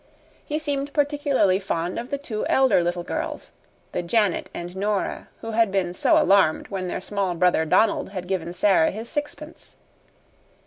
He seemed particularly fond of the two elder little girls the Janet and Nora who had been so alarmed when their small brother Donald had given Sara his sixpence.